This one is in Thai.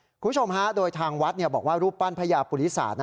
คุณผู้ชมฮะโดยทางวัดบอกว่ารูปปั้นพญาปุริศาสตร์